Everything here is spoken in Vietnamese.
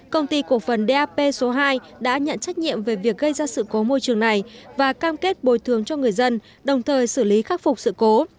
công ty cổ phần dap số hai đã nhận trách nhiệm về việc gây ra sự cố môi trường này và cam kết bồi thường cho người dân đồng thời xử lý khắc phục sự cố